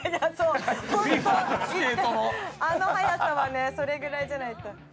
あの速さはねそれぐらいじゃないと。